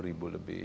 sepuluh ribu lebih